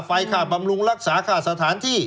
ค่าบำรุงรักษาค่าสถานที่